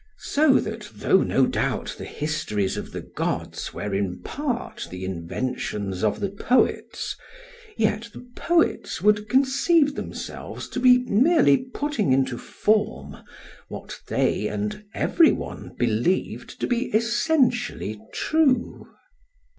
So that though no doubt the histories of the gods were in part the inventions of the poets, yet the poets would conceive themselves to be merely putting into form what they and every one believed to be essentially true.